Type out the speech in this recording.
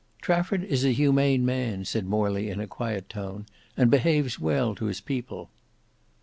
"Trafford is a humane man," said Morley in a quiet tone, "and behaves well to his people."